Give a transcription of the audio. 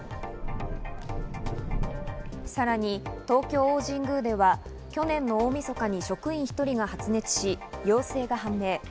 さらに東京大神宮では去年の大みそかに職員１人が発熱し、陽性が判明。